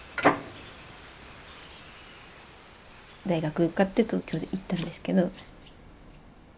大学受かって東京へ行ったんですけど。